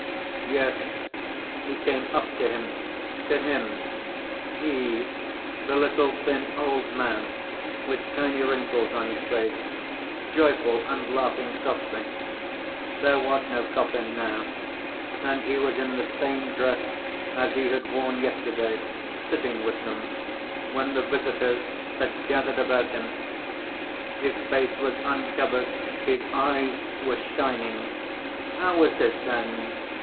Yes, he came up to him, to him, he, the little, thin old man, with tiny wrinkles on his face, joyful and laughing softly. There was no coffin now, and he was in the same dress as he had worn yesterday sitting with them, when the visitors had gathered about him. His face was uncovered, his eyes were shining. How was this, then?